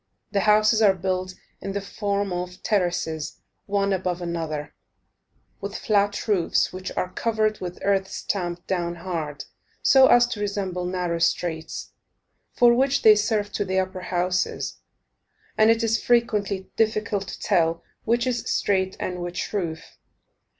The houses are built in the form of terraces, one above another, with flat roofs, which are covered with earth, stamped down hard, so as to resemble narrow streets, for which they serve to the upper houses, and it is frequently difficult to tell which is street and which roof.